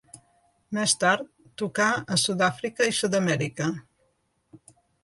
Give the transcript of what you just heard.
Més tard, tocà a Sud-àfrica i Sud-amèrica.